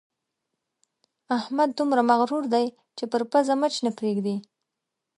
احمد دومره مغروره دی چې پر پزه مچ نه پرېږدي.